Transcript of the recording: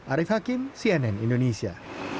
arief hakim cnn indonesia